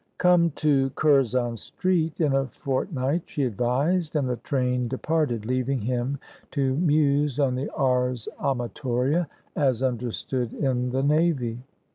"Come to Curzon Street in a fortnight," she advised, and the train departed, leaving him to muse on the "ars amatoria," as understood in the navy.